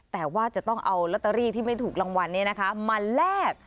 แต่ว่าจะต้องเอาลอตเตอรี่ที่ไม่ถูกรางวัลมาแลก